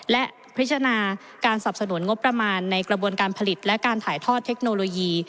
และพิจารณาการสับสนุนงบประมาณในกระบวนการผลิตและการถ่ายทอดเทคโนโลยี